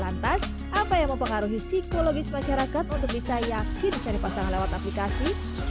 lantas apa yang mempengaruhi psikologis masyarakat untuk bisa yakin cari pasangan lewat aplikasi